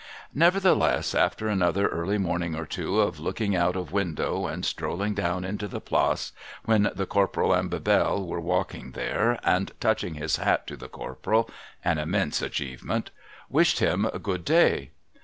Nevertheless, after another early morning or two of looking out of window, he strolled down into the Place, when the Corporal and Bebelle were walking there, and touching his hat to the Corporal (an immense achievement), wished him Good day.